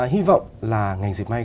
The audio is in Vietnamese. hy vọng là ngành diệt may